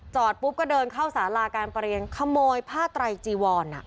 ปุ๊บก็เดินเข้าสาราการประเรียนขโมยผ้าไตรจีวร